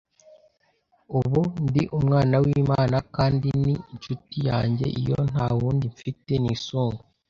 Ubu ndi umwana w’Imana, kandi ni incuti yanjye iyo nta wundi mfite nisunga